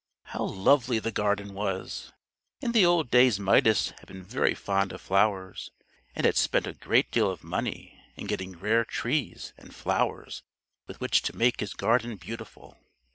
How lovely the garden was! In the old days Midas had been very fond of flowers, and had spent a great deal of money in getting rare trees and flowers with which to make his garden beautiful.